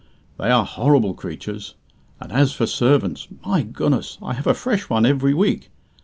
"They are horrible creatures. And as for servants my goodness, I have a fresh one every week.